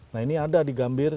nah ini ada di gambir